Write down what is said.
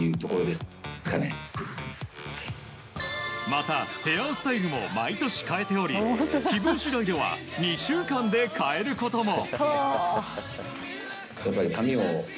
また、ヘアスタイルも毎年変えており気分次第では２週間で変えることも。